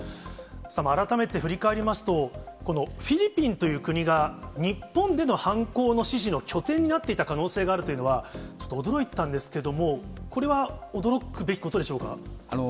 改めて振り返りますと、このフィリピンという国が、日本での犯行の指示の拠点になっていた可能性があるというのは、ちょっと驚いたんですけども、これは驚くべきことでしょうか？